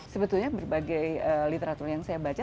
sebetulnya berbagai literatur yang saya baca